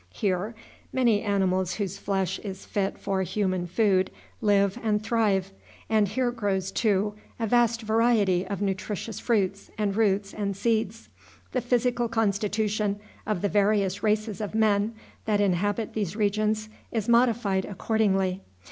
Here many animals whose flesh is fit for human food live and thrive, and here grows, too, a vast variety of nutritious fruits, and roots, and seeds. The physical constitution of the various races of men that inhabit these regions is modified accordingly.